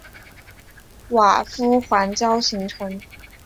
瓦夫环礁形成。